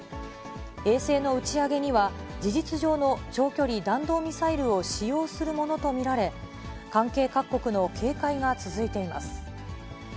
衛星の打ち上げには、事実上の長距離弾道ミサイルを使用するものと見られ、関係各国の警戒が続いています。